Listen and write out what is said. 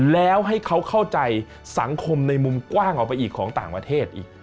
แล้วให้เขาเข้าใจสังคมในมุมกว้างออกไปอีกของต่างประเทศอีก